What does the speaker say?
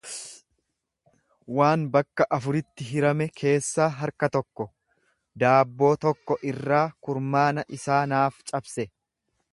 waan bakka afuritti hirame keessaa harka tokko; Daabboo tokko irraa kurmaana isaa naaf cabse.